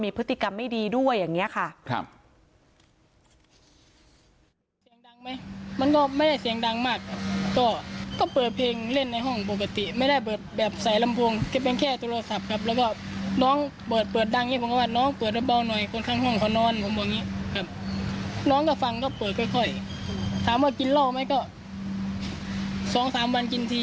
พฤติกรรมไม่ดีด้วยอย่างนี้ค่ะ